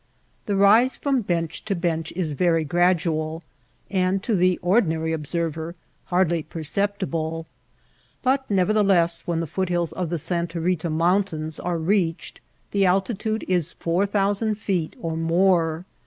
The rise from bench to bench is very gradual, and to the ordinary ob server hardly perceptible ; but nevertheless when the foot hills of the Santa Kita Mountains are reached, the altitude is four thousand feet or more.